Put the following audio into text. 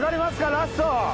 ラスト。